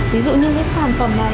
ví dụ như cái sản phẩm này